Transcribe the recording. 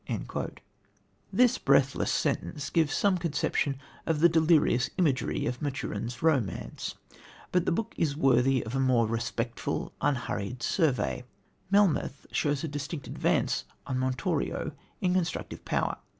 " This breathless sentence gives some conception of the delirious imagery of Maturin's romance, but the book is worthy of a more respectful, unhurried survey. Melmoth shows a distinct advance on Montorio in constructive power.